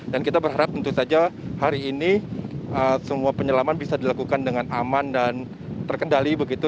dan kita berharap tentu saja hari ini semua penyelaman bisa dilakukan dengan aman dan terkendali begitu